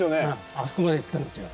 あそこまで行ったんですよ。